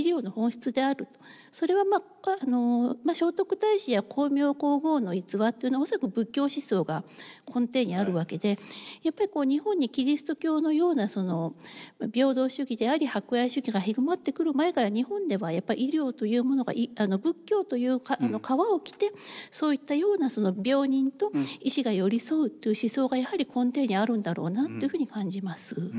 それは聖徳太子や光明皇后の逸話っていうのは恐らく仏教思想が根底にあるわけでやっぱり日本にキリスト教のような平等主義であり博愛主義が広まってくる前から日本ではやっぱり医療というものが仏教という皮を着てそういったような病人と医師が寄り添うっていう思想がやはり根底にあるんだろうなというふうに感じます。